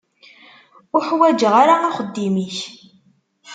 Ur ḥwaǧeɣ ara axeddim-ik.